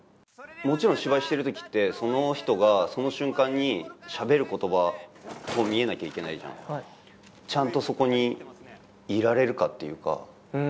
もちろん芝居してるときってその人がその瞬間にしゃべる言葉を見えなきゃいけないじゃんちゃんとそこにいられるかっていうか